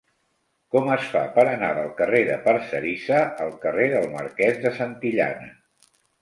Com es fa per anar del carrer de Parcerisa al carrer del Marquès de Santillana?